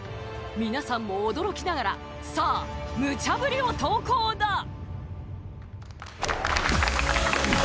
皆さんも驚きながらさぁ、ムチャぶりを投稿だ！